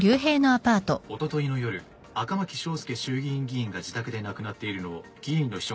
おとといの夜赤巻章介衆議院議員が自宅で亡くなっているのを議員の秘書が発見しました。